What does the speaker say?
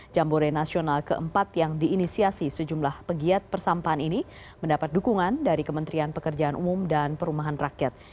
jambore nasional keempat yang diinisiasi sejumlah pegiat persampahan ini mendapat dukungan dari kementerian pekerjaan umum dan perumahan rakyat